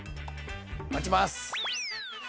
待ちます！